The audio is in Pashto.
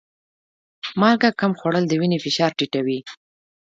مالګه کم خوړل د وینې فشار ټیټوي.